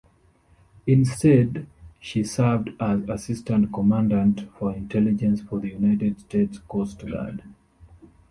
Instead, she served as Assistant Commandant for Intelligence for the United States Coast Guard.